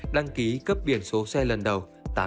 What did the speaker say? đăng ký cấp biển số xe lần đầu